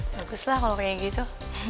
bagus lah kalau kayak gitu